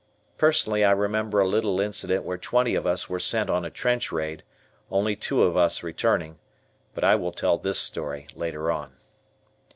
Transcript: Personally I remember a little incident where twenty of us were sent on a trench raid, only two of us returning, but I will tell this story later on.